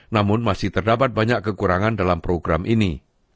namun masih terdapat banyak kekurangan dalam program ini